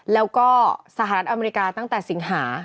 แล้วก็สหรัฐอเมริกาตั้งแต่สิงหา